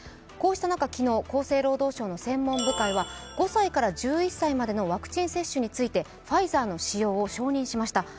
こうした中、昨日、厚生労働省の専門部会は５歳から１１歳までのワクチン接種について、ファイザーの使用を承認しました。